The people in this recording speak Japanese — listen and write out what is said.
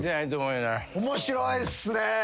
面白いっすね！